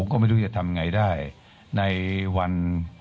ขอบพระคุณนะครับ